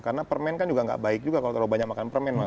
karena permen kan juga gak baik juga kalau banyak makan permen mas